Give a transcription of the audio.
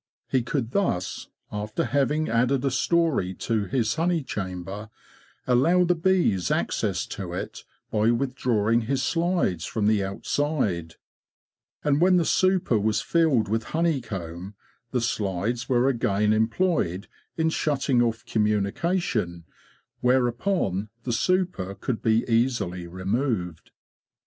He could thus, after having added a story to his honey chamber, allow the bees access to it by withdrawing his slides from the out side: and when the super was filled with honey comb, the slides were again employed in shutting off communication, whereupon the super could be easily removed.